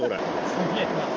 すげーな。